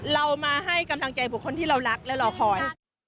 เรามาให้กำลังใจบุคคลที่เรารักและรอคอย